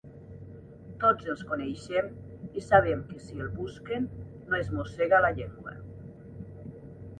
Tots els coneixem i sabem que si el busquen no es mossega la llengua.